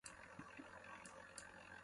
پنِیز دہ آ سے جوک گہ غلطی نانیْ۔